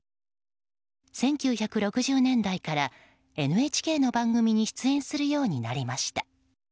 １９６０年代からＮＨＫの番組に出演するようになりました。